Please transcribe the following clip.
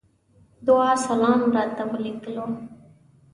دعا وسلام راته وليکلو.